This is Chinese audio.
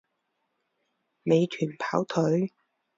美团跑腿